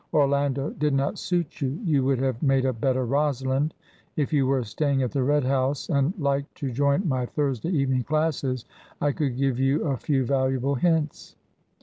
Orlando did not suit you; you would have made a better Rosalind. If you were staying at the Red House, and liked to join my Thursday evening classes, I could give you a few valuable hints."